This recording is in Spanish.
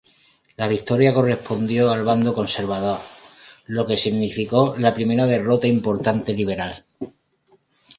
La victoria correspondió al bando conservador, lo que significo la primera derrota importante liberal.